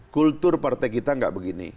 kultur partai kita nggak begini